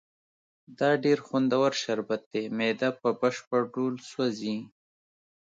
دا ډېر خوندور شربت دی، معده په بشپړ ډول سوځي.